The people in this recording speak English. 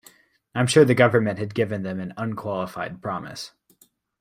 I'm sure the government had given them an unqualified promise.